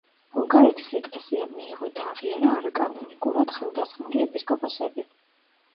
ბულგარეთის ეკლესიამ მიიღო და აღიარა არაკანონიკურად ხელდასხმული ეპისკოპოსები.